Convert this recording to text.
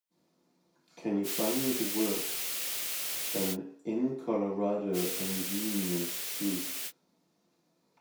Can you find me the work, An InColorado Nvenient Truth?